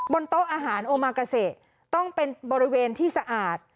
โต๊ะอาหารโอมากาเซต้องเป็นบริเวณที่สะอาด